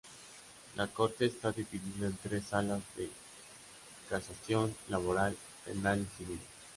La corte está dividida en tres salas de casación laboral, penal y civil.